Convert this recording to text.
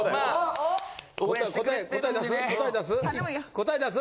答え出す？